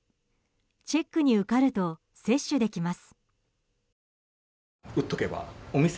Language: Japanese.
チェックに受かると接種できます。